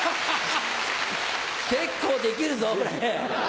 結構できるぞこれ。